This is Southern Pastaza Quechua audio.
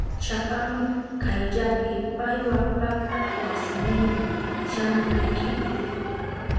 Chapamuy kayllapi paywa pakta wasinima shamunaykipa.